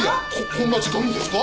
こんな時間にですか？